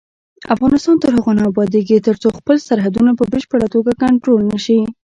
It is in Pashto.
افغانستان تر هغو نه ابادیږي، ترڅو خپل سرحدونه په بشپړه توګه کنټرول نشي.